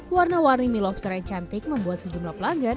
warna warni mie lobster yang cantik membuat sejumlah pelanggan